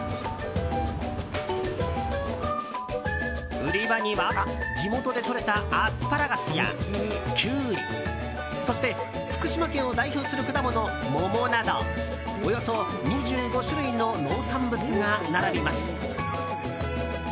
売り場には地元でとれたアスパラガスや、キュウリそして福島県を代表する果物桃などおよそ２５種類の農産物が並びます。